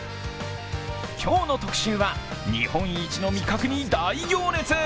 今日の特集は、日本一の味覚に大行列。